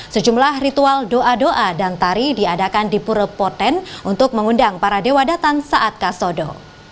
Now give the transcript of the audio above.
sejumlah ritual doa doa dan tari diadakan di pura poten untuk mengundang para dewa datang saat kasodo